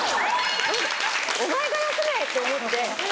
お前が休め！って思って。